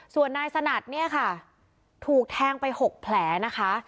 ส่วนนายสนัดเนี่ยค่ะถูกแทงไป๖แผลนะคะ